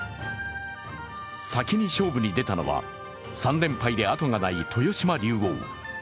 先に勝負に出たのは３連敗であとがない豊島竜王。